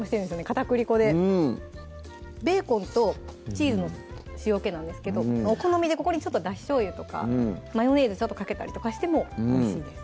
片栗粉でベーコンとチーズの塩けなんですけどお好みでここにちょっとだししょうゆとかマヨネーズちょっとかけたりとかしてもおいしいです